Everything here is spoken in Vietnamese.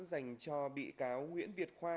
dành cho bị cáo nguyễn việt khoa